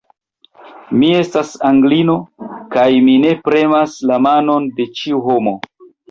Mi estas Anglino, kaj mi ne premas la manon de ĉiu homo!